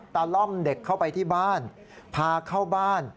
ล่อมเด็กเข้าไปที่บ้านพาเข้าบ้าน